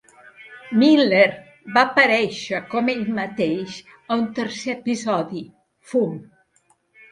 Miller va aparèixer com ell mateix a un tercer episodi, "Fum".